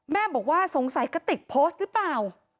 แม่บอกว่าสงสัยกระติกโพสต์หรือเปล่า